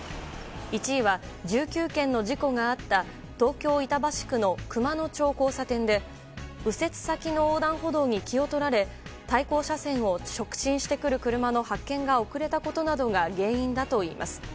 １位は１９件の事故があった東京・板橋区の熊野町交差点で右折先の横断歩道に気を取られ対向車線を直進してくる車の発見が遅れたことが原因だといいます。